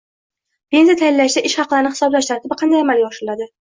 Pensiya tayinlashda ish haqlarini hisoblash tartibi qanday amalga oshiriladi?